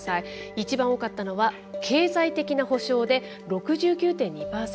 一番多かったのは「経済的な補償」で６９．２％。